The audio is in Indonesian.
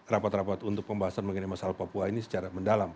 rapat rapat untuk pembahasan mengenai masalah papua ini secara mendalam